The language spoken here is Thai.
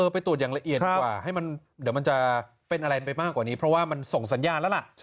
ไปตรวจอย่างละเอียดกว่าให้มันเดี๋ยวมันจะเป็นอะไรไปมากกว่านี้เพราะว่ามันส่งสัญญาณแล้วล่ะ